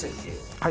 はい。